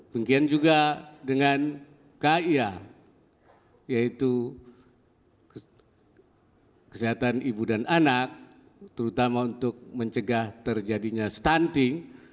mungkin juga dengan kia yaitu kesehatan ibu dan anak terutama untuk mencegah terjadinya stunting